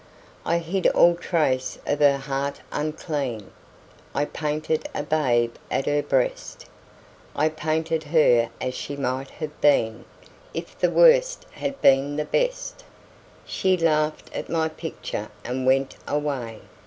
I hid all trace of her heart unclean; I painted a babe at her breast; I painted her as she might have been If the Worst had been the Best. She laughed at my picture and went away.